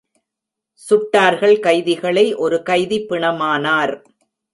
சுட்டார்கள் கைதிகளை ஒரு கைதி பிணமானார்.